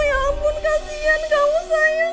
ya ampun kasian kalau sayang